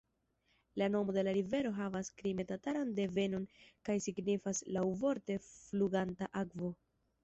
La nomo de la rivero havas krime-tataran devenon kaj signifas laŭvorte "fluganta akvo".